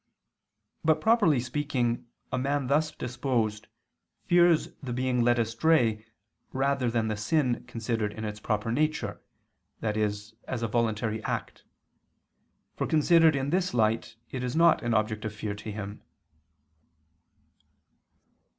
But, properly speaking, a man thus disposed, fears the being led astray rather than the sin considered in its proper nature, i.e. as a voluntary act; for considered in this light it is not an object of fear to him.